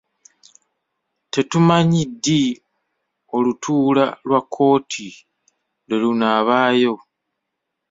Tetumanyi ddi olutuula lwa kkooti lwe lunaabaayo.